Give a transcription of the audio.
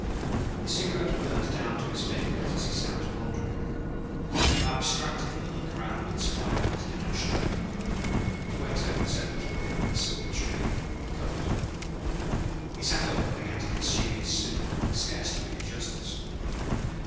His cigarette burned down to his fingers as he sat pondering. Abstractedly, he ground its fire out in an ash tray. The waiter set before him a silver tureen, covered. He sat up and began to consume his soup, scarce doing it justice.